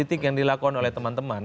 ini tidak bisa dilakukan oleh teman teman